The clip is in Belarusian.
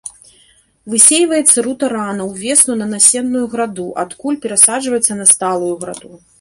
Высейваецца рута рана ўвесну на насенную граду, адкуль перасаджваецца на сталую граду.